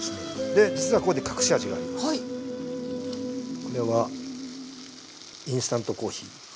これはインスタントコーヒー。